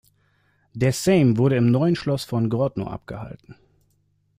Der Sejm wurde im Neuen Schloss von Grodno abgehalten.